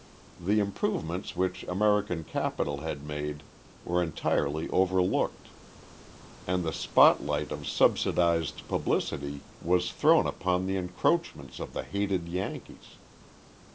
The improvements which American capital had made were entirely overlooked, and the spotlight of subsidized publicity was thrown upon the encroachments of the hated Yankees.